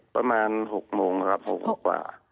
ประมาณ๖โมงครับ๖โมงกว่า